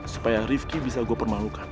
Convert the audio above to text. supaya rifki bisa gue permalukan